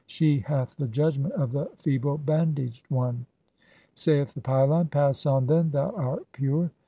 "She hath the judgment of the feeble bandaged one." [Saith the pylon :—] "Pass on, then, thou art pure."